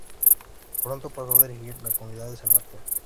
Pronto pasó a dirigir la comunidad de San Mateo.